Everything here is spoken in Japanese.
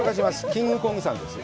キングコングさんです。